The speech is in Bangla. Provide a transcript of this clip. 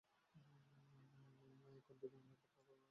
না, এখন থেকে আমার কথা তোমাকে শুনতে হবে।